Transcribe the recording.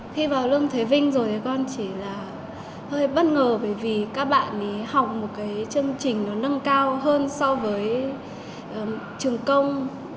khi vào lương thế vinh rồi thì con chỉ là hơi bất ngờ bởi vì các bạn học một chương trình nâng cao hơn so với trường công